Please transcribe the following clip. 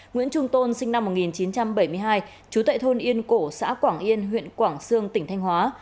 nguyễn trung tôn sinh năm một nghìn chín trăm bảy mươi hai trú tại thôn yên cổ xã quảng yên huyện quảng sương tỉnh thanh hóa